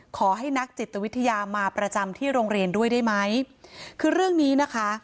ขอให้นักจิตวิทยามาประจำที่โรงเรียนด้วยได้ไหมคือเรื่องนี้นะคะ